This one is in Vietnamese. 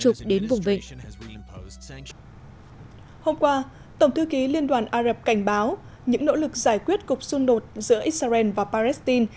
hôm qua tổng thư ký liên đoàn ả rập cảnh báo những nỗ lực giải quyết cuộc xung đột giữa israel và palestine